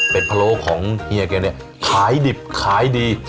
เป็นพะโล้ของเฮียแกเนี่ยขายดิบขายดี